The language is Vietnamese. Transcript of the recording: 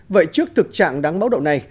vậy trước thực trạng đáng báo đậu này